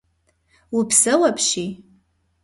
Упсэу апщий.